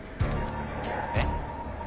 えっ？